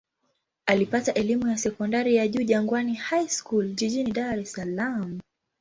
Alipata elimu ya sekondari ya juu Jangwani High School jijini Dar es Salaam.